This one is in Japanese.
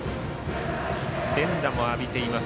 連打も浴びています